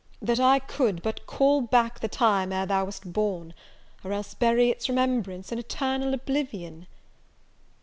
that I could but call back the time ere thou wast born, or else bury its remembrance in eternal oblivion!"